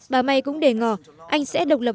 bà may cũng để ngỏ anh sẽ độc lập